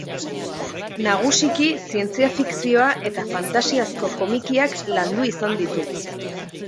Nagusiki zientzia-fikzioa eta fantasiazko komikiak landu izan ditu.